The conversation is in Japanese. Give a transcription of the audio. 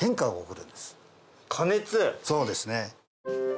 そうですね。